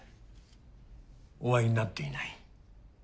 お会いになっていない？